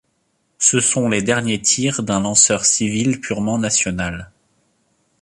Ce sont les derniers tirs d'un lanceur civil purement national.